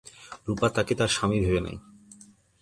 রূপা তাকে তার স্বামী ভেবে নেয়।